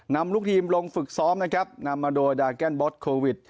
นำลูกทีมลงฝึกซ้อมนะครับนำมาโดยดาแกนบอสโควิด